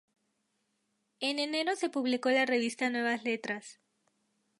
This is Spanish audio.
En enero se publicó la revista Nuevas Letras.